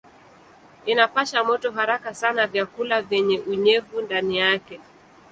Inapasha moto haraka sana vyakula vyenye unyevu ndani yake.